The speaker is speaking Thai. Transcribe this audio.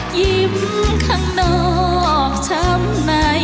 ยิ้มข้างนอกเต็มใน